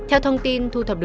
theo thông tin